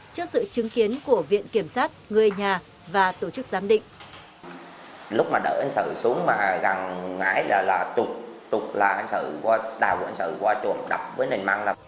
trước sự chứng kiến của viện kiểm sát người nhà và tổ chức giám định